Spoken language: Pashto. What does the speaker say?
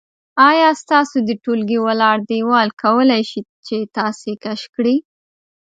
آیا ستاسو د ټولګي ولاړ دیوال کولی شي چې تاسو کش کړي؟